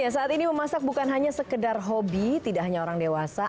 saat ini memasak bukan hanya sekedar hobi tidak hanya orang dewasa